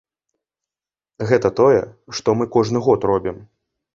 Гэта тое, што мы кожны год робім.